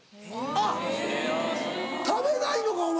あっ食べないのかお前！